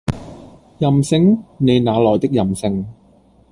任性？你那來的任性？